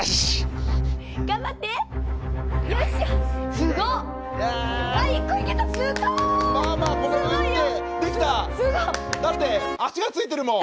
すごい！だって足がついてるもん。